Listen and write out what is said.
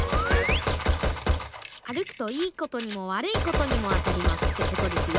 あるくといいことにもわるいことにもあたりますってことですよ。